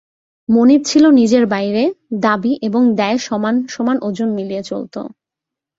মনিব ছিল নিজের বাইরে, দাবি এবং দেয় সমান সমান ওজন মিলিয়ে চলত।